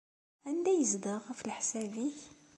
Anda ay yezdeɣ, ɣef leḥsab-nnek?